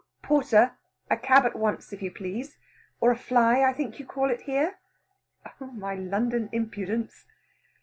"Porter, a cab at once, if you please; or a fly I think you call it here." Oh my London impudence!